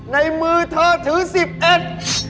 ในมือเธอถือสิบเอ็ด